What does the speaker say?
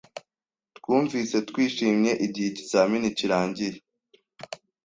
Twumvise twishimye igihe ikizamini kirangiye.